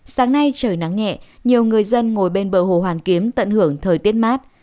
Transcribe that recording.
sáng nay trời nắng nhẹ nhiều người dân ngồi bên bờ hồ hoàn kiếm tận hưởng thời tiết mát